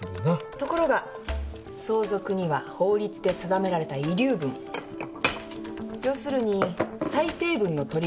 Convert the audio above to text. ところが相続には法律で定められた遺留分要するに最低分の取り分がある。